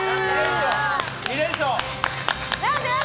２連勝。